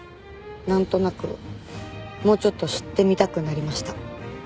なんとなくもうちょっと知ってみたくなりました。